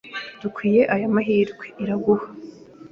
Dukwiye aya mahirwe, Iraguha.